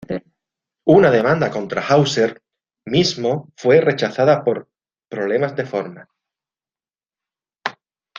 Una demanda contra Hauser mismo fue rechazada por problemas de forma.